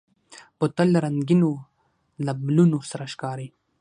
بوتل له رنګینو لیبلونو سره ښکاري.